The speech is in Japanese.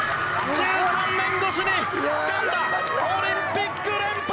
１３年越しにつかんだオリンピック連覇！